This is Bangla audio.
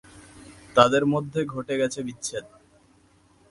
তাঁদের মধ্যে ঘটে গেছে বিচ্ছেদ।